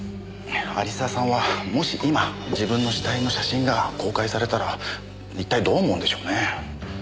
有沢さんはもし今自分の死体の写真が公開されたら一体どう思うんでしょうね？